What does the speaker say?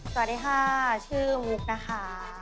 สวัสดีค่ะชื่อมุกนะคะ